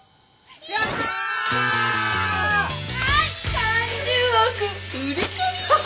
３０億振り込み！